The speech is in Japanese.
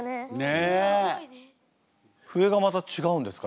笛がまた違うんですか？